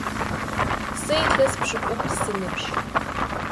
Сэ илъэс пшӏыкӏубл сыныбжь.